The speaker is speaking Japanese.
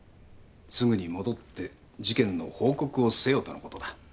すぐに戻って事件の報告をせよとのことだ。